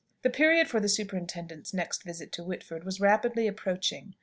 The period for the superintendent's next visit to Whitford was rapidly approaching.